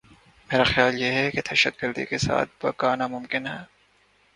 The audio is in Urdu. میرا خیال یہ ہے کہ دہشت گردی کے ساتھ بقا ناممکن ہے۔